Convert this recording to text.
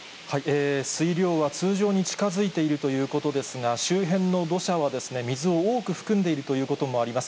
水量は通常に近づいているということですが、周辺の土砂は水を多く含んでいるということもあります。